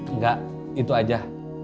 enggak itu aja